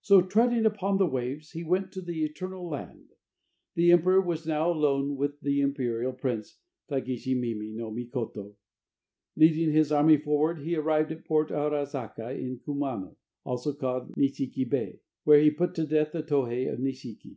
So, treading upon the waves, he went to the Eternal Land. The emperor was now alone with the imperial prince, Tagishi Mimi no Mikoto. Leading his army forward, he arrived at Port Arazaka in Kumano (also called Nishiki Bay), where he put to death the Tohe of Nishiki.